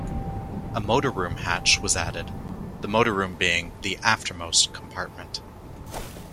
A motor room hatch was added, the motor room being the aftermost compartment.